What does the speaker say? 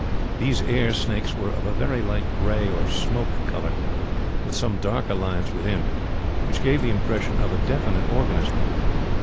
These air snakes were of a very light grey or smoke colour, with some darker lines within, which gave the impression of a definite organism.